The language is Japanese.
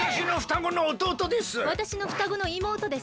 わたしのふたごのおとうとです。